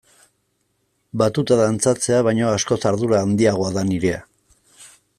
Batuta dantzatzea baino askoz ardura handiagoa da nirea.